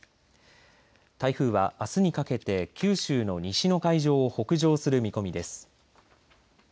台風はあすにかけて九州の西の海上を北上する見込みです。